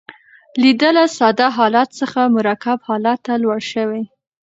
لید له ساده حالت څخه مرکب حالت ته لوړ شوی.